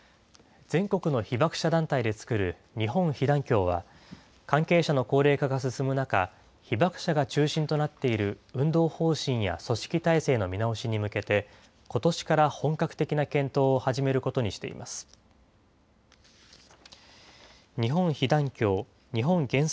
全国の被爆者団体で作る日本被団協は、関係者の高齢化が進む中、被爆者が中心となっている運動方針や組織体制の見直しに向けて、ことしから本格的な検討を始めることにしています。